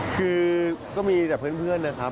คือก็มีแต่เพื่อนนะครับ